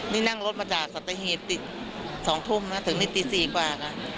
นี่นั่งรถมาจากสัตหีบติด๒ทุ่มนะถึงนี่ตี๔กว่าค่ะ